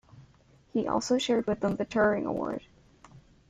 He also shared with them the Turing Award.